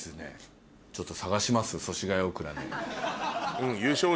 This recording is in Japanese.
ちょっと。